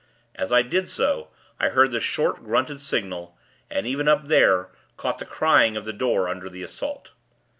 As I did so, I heard the short, grunted signal, and, even up there, caught the crying of the door under the assault.